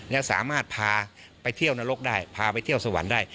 และสามารถพาไปเที่ยวนรกได้พาไปเที่ยวสวรรค์ได้